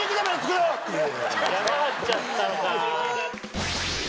ヤマ張っちゃったのか。